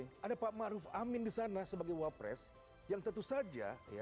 menurut pak amin di sana sebagai wak pres yang tentu saja